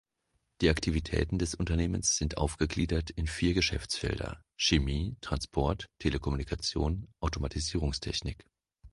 Die Aktivitäten des Unternehmens sind aufgegliedert in vier Geschäftsfelder: Chemie, Transport, Telekommunikation, Automatisierungstechnik.